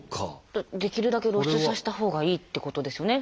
できるだけ露出させた方がいいってことですよね。